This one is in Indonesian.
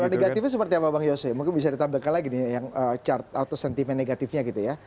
kalau negatifnya seperti apa bang yose mungkin bisa ditampilkan lagi nih yang chart atau sentimen negatifnya gitu ya